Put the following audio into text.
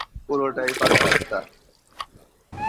পুরোটাই পাকা রাস্তা।